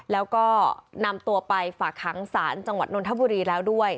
แล้วก็นำตัวไปฝากขังศาลจังหวัดนทบุรีแล้วด้วย